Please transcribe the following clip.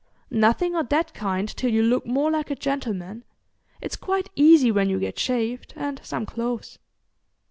"Nothing o' that kind till you look more like a gentleman. It's quite easy when you get shaved, and some clothes."